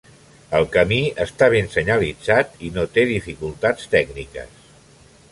El camí està ben senyalitzat i no té dificultats tècniques.